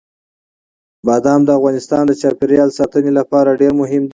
بادام د افغانستان د چاپیریال ساتنې لپاره ډېر مهم دي.